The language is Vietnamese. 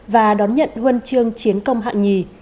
và đón nhận huân chương chiến công hạng nhì